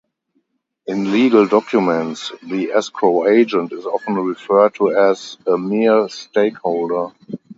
In legal documents, the escrow agent is often referred to as a mere stakeholder.